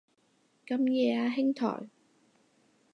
咁夜啊兄台